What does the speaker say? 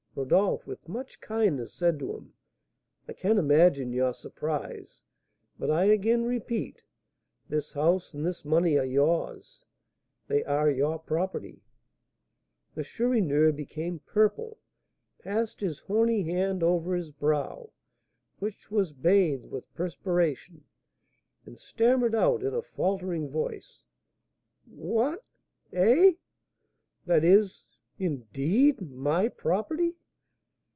Rodolph, with much kindness, said to him: "I can imagine your surprise; but I again repeat, this house and this money are yours, they are your property." The Chourineur became purple, passed his horny hand over his brow, which was bathed with perspiration, and stammered out, in a faltering voice: "What! eh! that is indeed my property!"